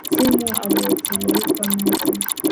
Simiyu alituletea meza.